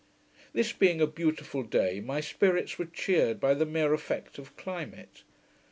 This being a beautiful day, my spirits were cheered by the mere effect of climate.